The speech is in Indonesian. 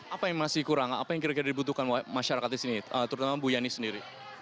apa yang masih kurang apa yang kira kira dibutuhkan masyarakat di sini terutama bu yani sendiri